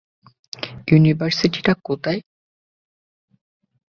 University টা কোথায়?